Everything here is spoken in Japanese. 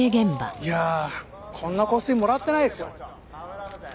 いやこんな香水もらってないですよ。